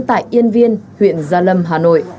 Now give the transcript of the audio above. tại yên viên huyện gia lâm hà nội